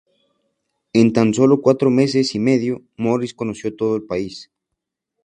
En tan solo cuatro meses y medio, Morris conoció todo el país.